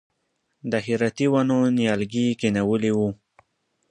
د هراتي ونو نیالګي یې کښېنولي و.